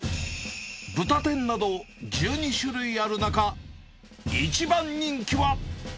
豚天など、１２種類ある中、一番人気は？